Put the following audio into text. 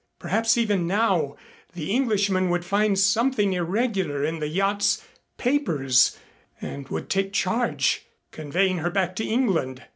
Perhaps even now the Englishman would find something irregular in the yacht's papers and would take charge, conveying her back to England.